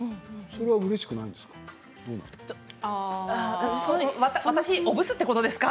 それはうれしくないんですか。